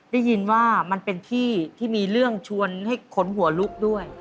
ได้ยินว่ามันเป็นที่ที่มีเรื่องชวนให้ขนหัวลุกด้วย